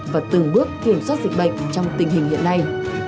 và từng bước kiểm soát dịch bệnh trong tình hình hiện nay